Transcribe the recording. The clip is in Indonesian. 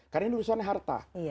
karena ini urusan harta